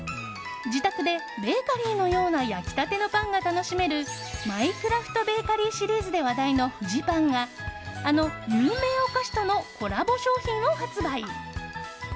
自宅でベーカリーのような焼きたてのパンが楽しめるマイクラフトベーカリーシリーズで話題のフジパンがあの有名お菓子とのコラボ商品を発売。